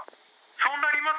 そうなります